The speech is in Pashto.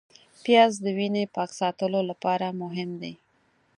پیاز د وینې پاک ساتلو لپاره مهم دی